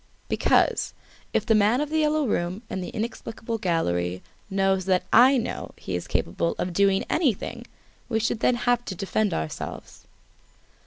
"Because, if the man of "The Yellow Room" and the inexplicable gallery knows that I know, he is capable of doing anything! We should then have to defend ourselves."